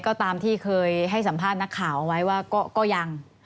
ก็ตามที่เคยให้สัมภาษณ์นักข่าวเอาไว้ว่าก็ยัง